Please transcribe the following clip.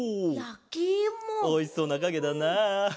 おいしそうなかげだな。